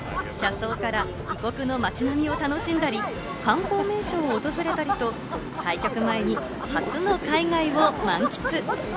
車窓から異国の街並みを楽しんだり、観光名所を訪れたりと対局前に初の海外を満喫。